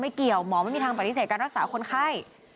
เกี่ยวหมอไม่มีทางปฏิเสธการรักษาคนไข้